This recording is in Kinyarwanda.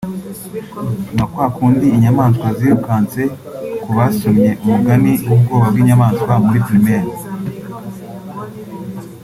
nka kwa kundi inyamaswa zirukanse ku basomye umugani w’ubwoba bw’inyamaswa muri primaire